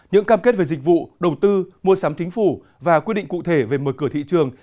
những cam kết về dịch vụ đầu tư mua sắm chính phủ và quy định cụ thể về mở cửa thị trường